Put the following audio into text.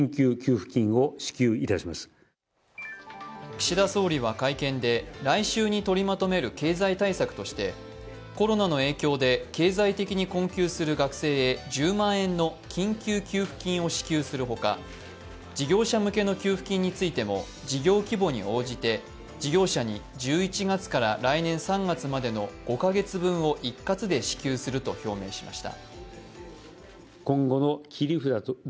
岸田総理は会見で、来週に取りまとめる経済対策としてコロナの影響で経済的に困窮する学生へ１０万円の緊急給付金を支給する他、事業者向けの給付金についても事業規模に応じて事業者に１１月から来年３月までの５カ月分を一括で支給すると表明しました。